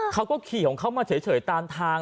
เขาก็ขี่ของเขามาเฉยตามทาง